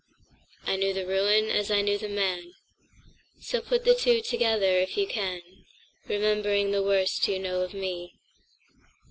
"I knew the ruin as I knew the man; So put the two together, if you can, Remembering the worst you know of me.